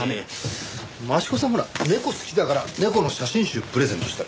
益子さんほら猫好きだから猫の写真集プレゼントした。